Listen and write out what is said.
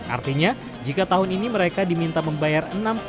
artinya jika tahun ini mereka diminta membayar